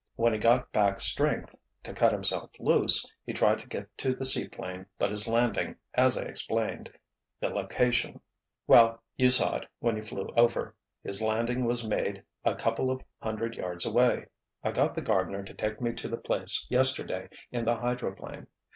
When he got back strength to cut himself loose, he tried to get to the seaplane but his landing, as I explained the location—well, you saw it when you flew over—his landing was made a couple of hundred yards away. I got the gardener to take me to the place, yesterday, in the hydroplane.